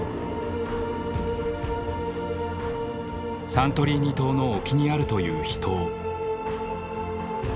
サントリーニ島の沖にあるという秘湯。